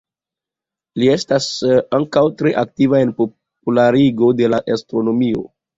Li estas ankaŭ tre aktiva en popularigo de la astronomio.